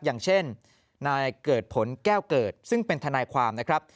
อย่างเช่นนายเกิดผลแก้วเกิดซึ่งเป็นทนายความนะครับ